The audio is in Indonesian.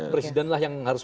presiden lah yang harus